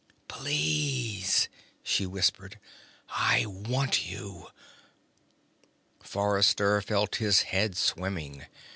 "Please," she whispered. "I want you...." Forrester felt his head swimming.